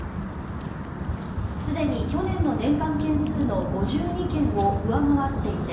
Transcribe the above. すでに去年の年間件数の５２件を上回っていて